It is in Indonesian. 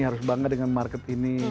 harus bangga dengan market ini